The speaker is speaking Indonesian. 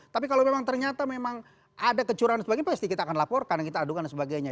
tapi kalau memang ternyata memang ada kecurangan dan sebagainya pasti kita akan laporkan dan kita adukan dan sebagainya